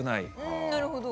なるほど！